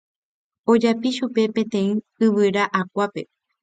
ojapi chupe peteĩ yvyra'akuápe